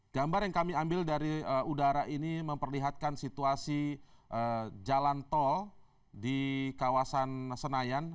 gambar yang kami ambil dari udara ini memperlihatkan situasi jalan tol di kawasan senayan